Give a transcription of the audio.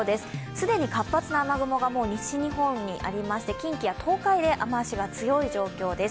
既に活発な雨雲が西日本にありまして、近畿や東海で雨足が強い状況です。